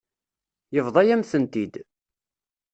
Yebḍa-yam-tent-id.